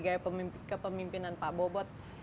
gaya kepemimpinan pak bobot